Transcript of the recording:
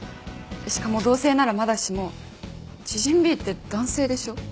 しかも同性ならまだしも知人Ｂって男性でしょ？